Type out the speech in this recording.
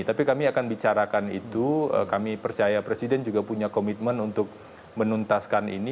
tapi kami akan bicarakan itu kami percaya presiden juga punya komitmen untuk menuntaskan ini